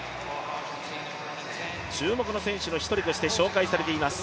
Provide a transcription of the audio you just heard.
注目の選手の一人として紹介されています